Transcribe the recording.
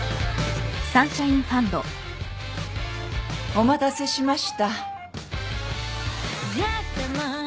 ・お待たせしました。